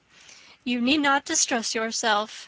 "You need not distress yourself.